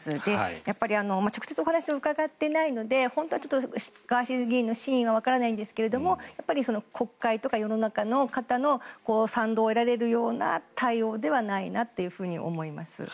やっぱり直接お話を伺っていないのでガーシー議員の真意はわからないんですが国会とか世の中の方の賛同を得られるような対応ではないなと思います。